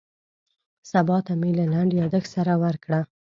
سبا ته مې له لنډ یاداښت سره ورکړه.